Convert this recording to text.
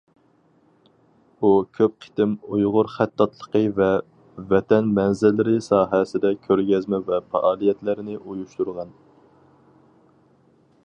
ئۇ كۆپ قېتىم ئۇيغۇر خەتتاتلىقى ۋە ۋەتەن مەنزىرىلىرى ساھەسىدە كۆرگەزمە ۋە پائالىيەتلەرنى ئۇيۇشتۇرغان.